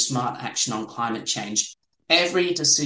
melalui aksi aksi yang bijak tentang perubahan kondisi